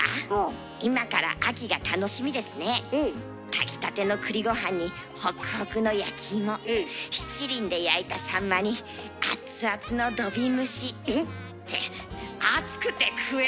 炊きたての栗ごはんにホクホクの焼き芋七輪で焼いたサンマに熱々の土瓶蒸し。って暑くて食えるかあ！